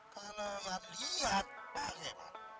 karena lihat lihat pakai mata